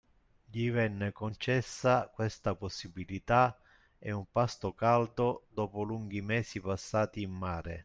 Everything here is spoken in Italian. Gli venne concessa questa possibilità, e un pasto caldo, dopo lunghi mesi passati in mare.